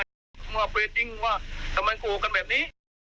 พวกมันมาพูดจริงว่าทำไมโกรธกันแบบนี้